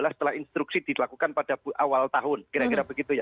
setelah instruksi dilakukan pada awal tahun kira kira begitu ya